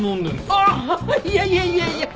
ああっいやいやいやいや！